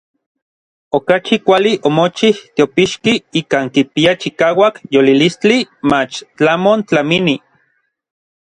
Okachi kuali omochij teopixki ikan kipia chikauak yolilistli mach tlamon tlamini.